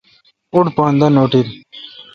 اوڈ پان دا نوٹل۔